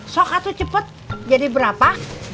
sok atau cepet jadi berapa